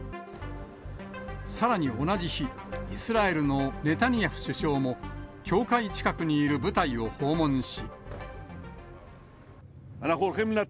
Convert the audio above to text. さらに同じ日、イスラエルのネタニヤフ首相も、境界近くにいる部隊を訪問し。